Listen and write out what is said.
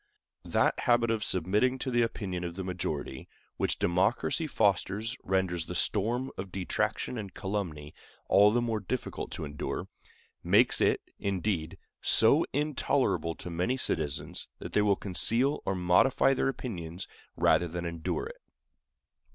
That habit of submitting to the opinion of the majority which democracy fosters renders the storm of detraction and calumny all the more difficult to endure—makes it, indeed, so intolerable to many citizens, that they will conceal or modify their opinions rather than endure it.